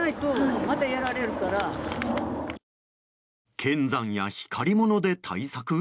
剣山や光り物で対策？